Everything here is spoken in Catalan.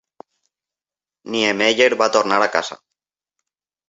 Niemeyer va tornar a casa.